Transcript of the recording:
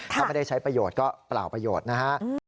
ถ้าไม่ได้ใช้ประโยชน์ก็เปล่าประโยชน์นะฮะ